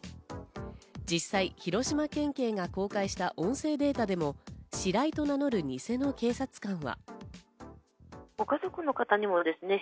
実際、広島県警が公開した音声データでも、シライと名乗る偽の警察官は。